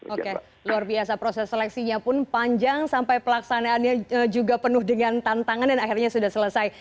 oke luar biasa proses seleksinya pun panjang sampai pelaksanaannya juga penuh dengan tantangan dan akhirnya sudah selesai